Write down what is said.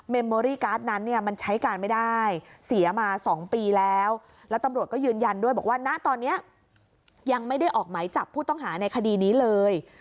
โมรี่การ์ดนั้นเนี่ยมันใช้การไม่ได้เสียมา๒ปีแล้วแล้วตำรวจก็ยืนยันด้วยบอกว่าณตอนนี้ยังไม่ได้ออกหมายจับผู้ต้องหาในคดีนี้เลย